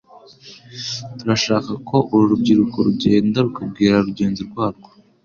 Turashaka ko uru rubyiruko rugenda rukabwira rugenzi rwarwo